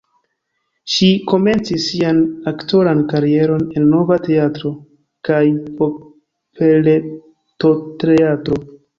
Ŝi komencis sian aktoran karieron en Nova Teatro (Budapeŝto) kaj Operetoteatro (Budapeŝto).